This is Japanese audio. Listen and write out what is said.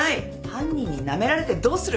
犯人になめられてどうする？